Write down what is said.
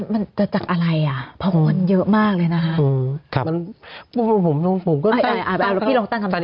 มันจะจากอะไรอ่ะเพราะคนเยอะมากเลยนะคะ